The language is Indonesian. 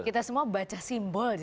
kita semua baca simbol